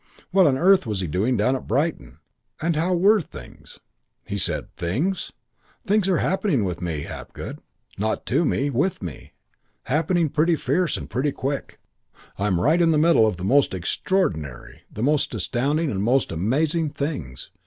What on earth was he doing down at Brighton, and how were things? "He said 'Things...? Things are happening with me, Hapgood. Not to me with me. Happening pretty fierce and pretty quick. I'm right in the middle of the most extraordinary, the most astounding, the most amazing things.